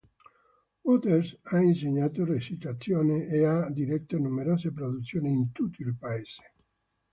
Waters ha insegnato recitazione e ha diretto numerose produzioni in tutto il paese.